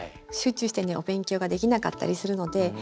集中してねお勉強ができなかったりするので。